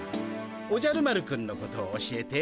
おじゃる丸くんのことを教えて。